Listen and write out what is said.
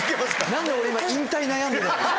何で俺今引退悩んでる。